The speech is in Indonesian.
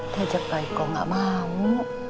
kejap pak ikut nggak mau